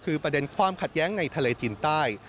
คือประเด็นความขัดแย้งในทะเลจีนใต้